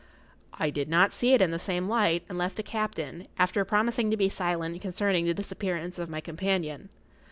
I did not see it in the same light, and left the captain, after promising to be silent concerning the disappearance of my companion.